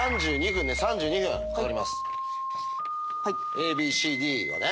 ＡＢＣＤはね。